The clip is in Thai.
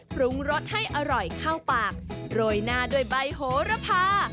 ปรุงรสให้อร่อยเข้าปากโรยหน้าด้วยใบโหระพา